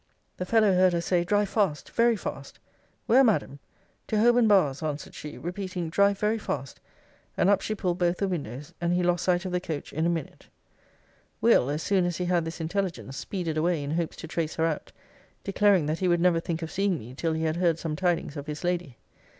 'The fellow heard her say, drive fast! very fast! Where, Madam? To Holborn bars, answered she; repeating, Drive very fast! And up she pulled both the windows: and he lost sight of the coach in a minute. 'Will., as soon as he had this intelligence, speeded away in hopes to trace her out; declaring, that he would never think of seeing me, till he had heard some tidings of his lady.'